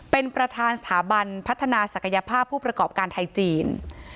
เป็นประธานสถาบันพัฒนาศักยภาพผู้ประกอบการไทยจีน